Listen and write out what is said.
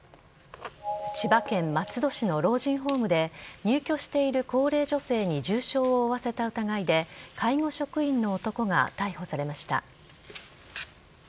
千葉県松戸市の老人ホームで入居している高齢女性に重傷を負わせた疑いで介護職員の男が逮捕されました。